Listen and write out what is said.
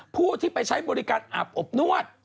ผู้ที่ไปใช้บริการอาบอบนวด